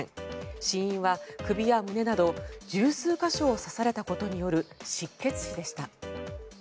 死因は首や胸など１０数か所を刺されたことによる失血死でした。